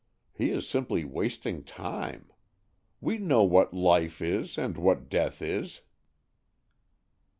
He is simply wasting time. We know what life is and what death is."